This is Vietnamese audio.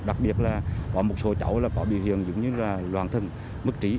đặc biệt là có một số cháu là có biểu hiện giống như là loàn thân bất trí